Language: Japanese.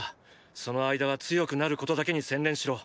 その間は強くなることだけに専念しろ。